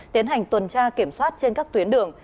tiến hành tuần tra kiểm soát trên các tuyến đường